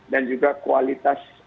dan juga kualitas